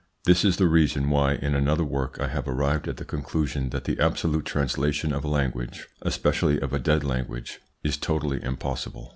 This is the reason why, in another work, I have arrived at the conclusion that the absolute translation of a language, especially of a dead language, is totally impossible.